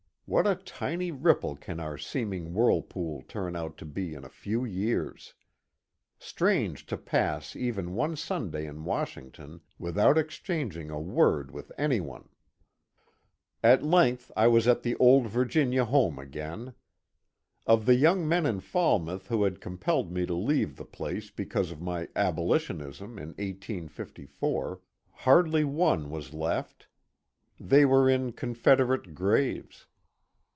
What a tiny ripple can our seeming whirlpool turn out to be in a few years! Strange to pass even one Sunday in Washington without exchanging a word with any onel^ At length I was at the old Virginia home again I Of the young men in Falmouth who had compelled me to leave the place because of my abolitionism in 1854, hardly one was left ; they were in Confederate graves.